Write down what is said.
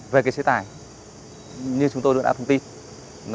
về chế tài như chúng tôi đã thông tin